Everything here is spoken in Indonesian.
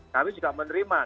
kami juga menerima